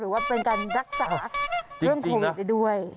หรือว่าเป็นการรักษาเรื่องโควิดด้วย